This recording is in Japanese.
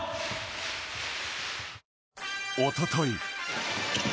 おととい。